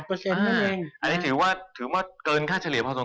อันนี้ถือว่าเกินค่าเฉลี่ยเท่านั้น